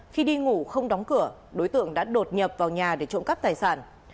khi đi ngủ không đóng cửa đối tượng đã đột nhập vào nhà để trộm cắp tài sản